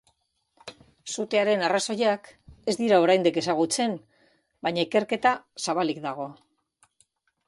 Sutearen arrazoiak ez dira oraindik ezagutzen baina ikerketa zabalik dago.